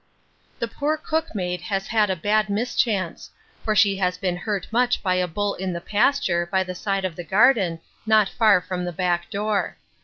The poor cook maid has had a bad mischance; for she has been hurt much by a bull in the pasture, by the side of the garden, not far from the back door.